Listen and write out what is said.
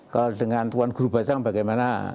kalau dengan tuan guru bajang bagaimana